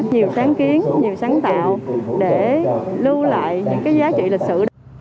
nhiều sáng kiến nhiều sáng tạo để lưu lại những cái giá trị lịch sử